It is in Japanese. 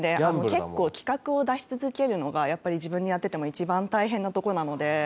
結構企画を出し続けるのがやっぱり自分でやってても一番大変なとこなので。